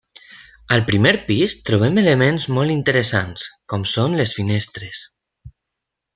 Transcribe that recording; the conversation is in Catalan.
Al primer pis trobem elements molt interessants, com són les finestres.